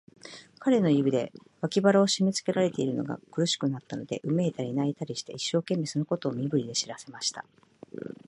彼の指で、脇腹をしめつけられているのが苦しくなったので、うめいたり、泣いたりして、一生懸命、そのことを身振りで知らせました。